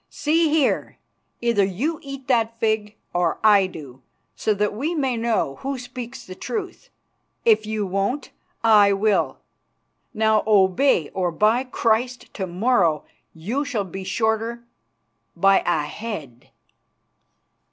See here! Either you eat that fig or I do, so that we may know who speaks the truth. If you won't, I will. Now obey, or, by Christ! to morrow you shall be shorter by a head."